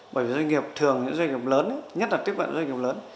bởi vì doanh nghiệp thường những doanh nghiệp lớn nhất là tiếp cận với doanh nghiệp lớn